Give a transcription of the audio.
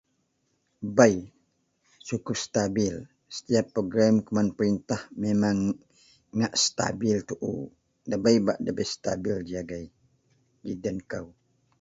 bei cukup stabil, setiap program kuman peritah memang ngak stabil tuu debai bak debei stabil ji agei ji den kou